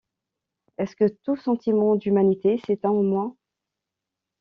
Est-ce que tout sentiment d’humanité s’éteint en moi?